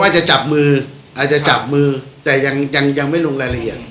จะจับมืออาจจะจับมือแต่ยังยังไม่ลงรายละเอียด